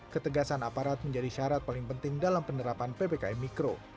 ketegasan aparat menjadi syarat paling penting dalam penerapan ppkm mikro